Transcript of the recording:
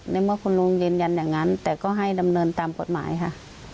ในเมื่อคุณลุงยืนยันอย่างนั้นแต่ก็ให้ดำเนินตามกฎหมายค่ะ